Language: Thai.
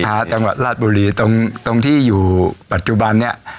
จังหวัดราชบุรีตรงตรงที่อยู่ปัจจุบันนี้